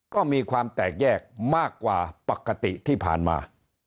ก็มีความแตกแยกมากกว่าปกติที่ผ่านมา